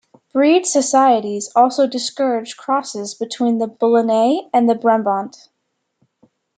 Breed societies also discouraged crosses between the Boulonnais and the Brabant.